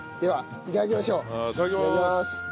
いただきます。